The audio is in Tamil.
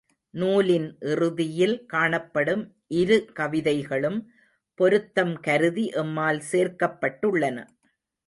நூலின் இறுதியில் காணப்படும் இரு கவிதைகளும் பொருத்தம் கருதி எம்மால் சேர்க்கப்பட்டுள்ளன.